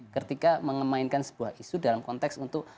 ketika mengemainkan sebuah isu dalam konteks untuk